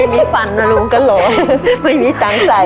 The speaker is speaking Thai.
ไม่มีฝันนะลูกก็เหรอไม่มีตังใจ